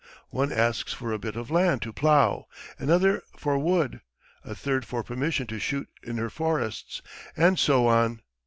One asks for a bit of land to plough, another for wood, a third for permission to shoot in her forests, and so on.